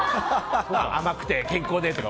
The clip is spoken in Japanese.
甘くて健康でとか。